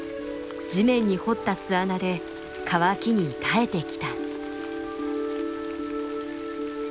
地面に掘った巣穴で乾きに耐えてきた。